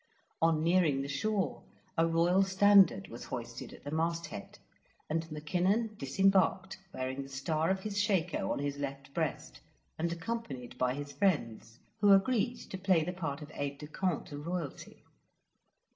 On nearing the shore, a royal standard was hoisted at the masthead, and Mackinnon disembarked, wearing the star of his shako on his left breast, and accompanied by his friends, who agreed to play the part of aides de camp to royalty.